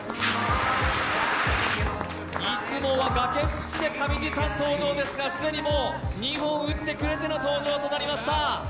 いつもは崖っぷちで上地さん登場ですが、既にもう２本打ってくれての登場となりました。